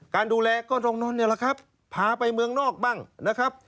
การดูแลก็ต้องนอนเนี่ยแหละครับพาไปเมืองนอกบ้างนะครับ